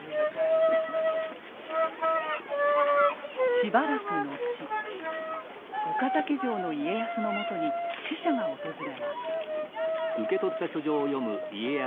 しばらく後岡崎城の家康のもとに使者が訪れます。